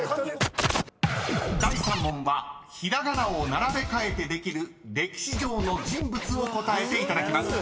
［第３問はひらがなを並べ替えてできる歴史上の人物を答えていただきます］